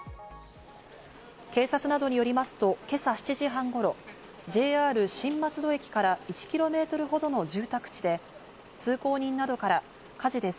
警察などによりますと今朝７時半頃、ＪＲ新松戸駅から１キロメートルほどの住宅地で通行人などから、火事です。